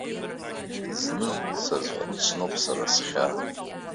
Зны сазхәыцноуп сара схьаа.